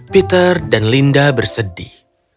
peter dan linda bersedih